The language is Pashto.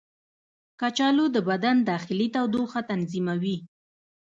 کچالو د بدن داخلي تودوخه تنظیموي.